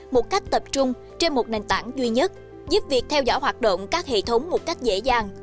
một cách tập trung trên một nền tảng duy nhất giúp việc theo dõi hoạt động các hệ thống một cách dễ dàng